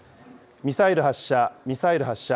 ミサイル発射、ミサイル発射。